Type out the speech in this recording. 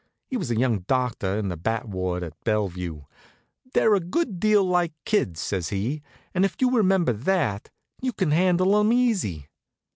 He was a young doctor in the bat ward at Bellevue. "They're a good deal like kids," says he, "and if you remember that, you can handle 'em easy."